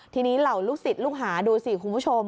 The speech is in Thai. ทีนี้เหล่าลูกศิษย์ลูกหาดูสิคุณผู้ชม